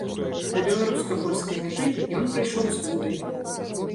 Да беларуска-польскай мяжы ён прыйшоў з вудай.